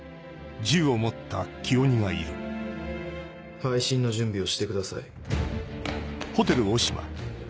配信の準備をしてください。